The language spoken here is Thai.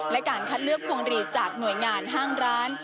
และการคัดเลือกพวงหลีดจากหน่วยงานห้างร้าน